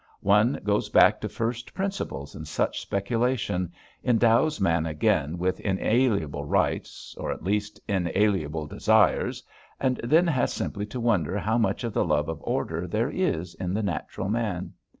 One goes back to first principles in such speculation, endows man again with inalienable rights or at least inalienable desires, and then has simply to wonder how much of the love of order there is in the natural man.